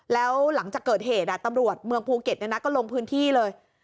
แล้วหลังจากเกิดเหตุตำรวจเมืองภูเก็ตก็ลงพื้นที่เลย